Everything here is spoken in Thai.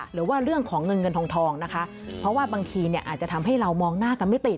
หรือว่าเรื่องของเงินเงินทองทองนะคะเพราะว่าบางทีเนี่ยอาจจะทำให้เรามองหน้ากันไม่ติด